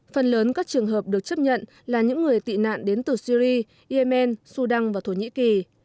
phần lớn các trường hợp được chấp nhận là những người tị nạn đến từ syri yemen sudan và thổ nhĩ kỳ